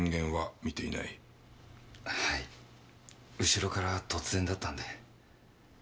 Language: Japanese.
後ろから突然だったんで。